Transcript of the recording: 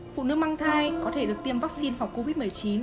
phụ nữ mang thai có thể được tiêm vaccine phòng covid một mươi chín